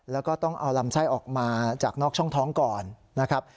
แล้วก็ต้องเอาลำไส้ออกมาจากนอกช่องท้องก่อนนะครับ